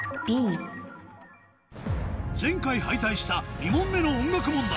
前回敗退した２問目の音楽問題